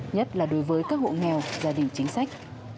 nhất là đối với các hộ nghèo gia đình chính sách